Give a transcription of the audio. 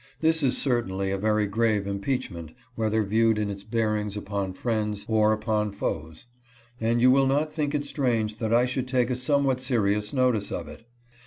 This is cer tainly a very grave impeachment, whether viewed in its bearings upon friends or upon foes, and you will not think it strange that I should take a somewhat serious notice of it.